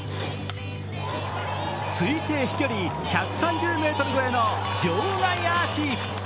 推定飛距離１３０ｍ超えの場外アーチ。